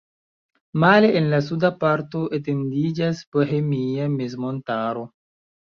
Male en la suda parto etendiĝas Bohemia mezmontaro.